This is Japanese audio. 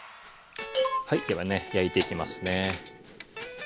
はいではね焼いていきますね。